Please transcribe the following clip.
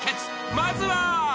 ［まずは］